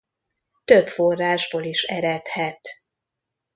Több forrásból is eredhet.